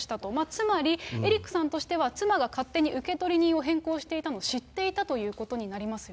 つまりエリックさんとしては、妻が勝手に受取人を変更していたの知っていたということになりま